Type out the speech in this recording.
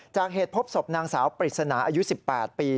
เหตุพบศพนางสาวปริศนาอายุ๑๘ปี